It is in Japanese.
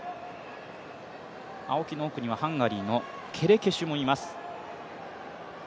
青木の奥にはハンガリーのケレケシュもいます。